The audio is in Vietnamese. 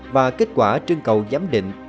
và kết quả trên cầu giám định